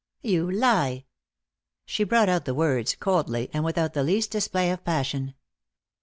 "You lie!" She brought out the words coldly, and without the least display of passion.